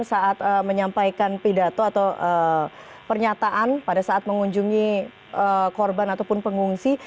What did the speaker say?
saat menyampaikan pidato atau pernyataan pada saat mengunjungi korban ataupun pengungsi